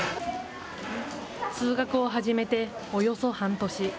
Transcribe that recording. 通学を始めておよそ半年。